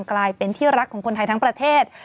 กลายเป็นที่รักของคนไทยทั้งประเทศ